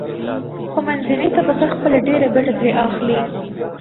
خو منځنۍ طبقه خپله ډېره ګټه ترې اخلي.